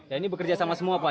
dan ini bekerja sama semua pak ya